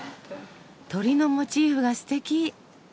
鳥のモチーフがすてき。